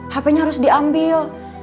hpnya harus diambil